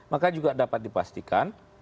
maka juga dapat dipastikan